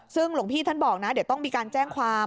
ซึ่งหลวงพี่ท่านบอกนะเดี๋ยวต้องมีการแจ้งความ